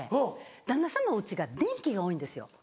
旦那さんのお家が電気が多いんですよ。